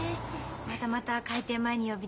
またまた開店前に呼び出して。